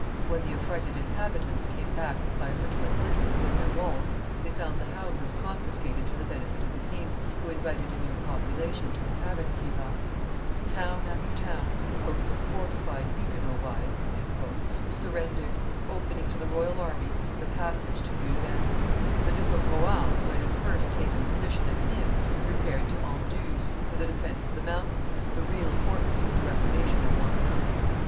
When the affrighted inhabitants came back by little and little within their walls, they found the houses confiscated to the benefit of the king, who invited a new population to inhabit Privas. Town after town, "fortified Huguenot wise," surrendered, opening to the royal armies the passage to the Uvennes. The Duke of Rohan, who had at first taken position at Nimes, repaired to Anduze for the defence of the mountains, the real fortress of the Reformation in Languedoc.